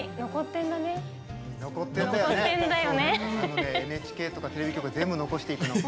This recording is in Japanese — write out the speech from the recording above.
あのね、ＮＨＫとかテレビ局は全部、残していくの！